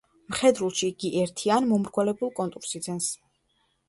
მხედრულში იგი ერთიან, მომრგვალებულ კონტურს იძენს.